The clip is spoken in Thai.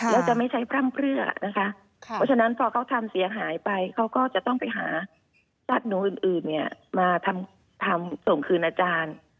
แล้วจะไม่ใช้พร่ำเพลือนะคะเพราะฉะนั้นพอเขาทำเสียหายไปเขาก็จะต้องไปหาสัตว์หนูอื่นเนี่ยมาทำส่งคืนอาจารย์